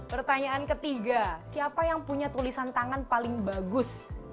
pertanyaan ketiga siapa yang punya tulisan tangan paling bagus